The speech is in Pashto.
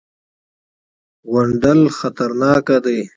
_غونډل خطرناکه دی.